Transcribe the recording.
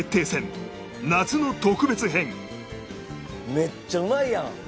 めっちゃうまいやん！